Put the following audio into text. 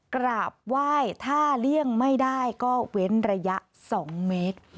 กราบไหว้ถ้าเลี่ยงไม่ได้ก็เว้นระยะ๒เมตร